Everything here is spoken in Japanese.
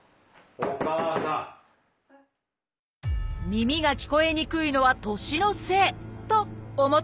耳が聞こえにくいのは年のせいと思っていませんか？